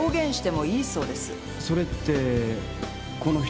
それってこの人？